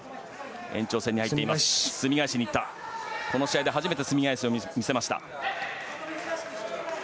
この試合で始めてすみ返しを見せました。